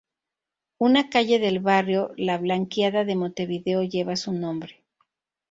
Una calle del barrio La Blanqueada de Montevideo lleva su nombre.